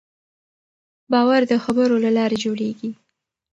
باور د خبرو له لارې جوړېږي.